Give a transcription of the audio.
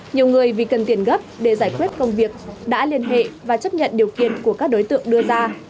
nhiều người vì cần tiền gấp để giải quyết công việc đã liên hệ và chấp nhận điều kiện của các đối tượng đưa ra